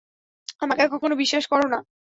আমাকে কখনো বিশ্বাস কর না?